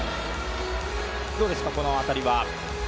どうですか、この当たりは。